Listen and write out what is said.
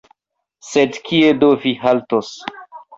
sed kie do vi haltos?